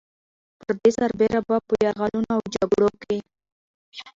پر دې سربېره به په يرغلونو او جګړو کې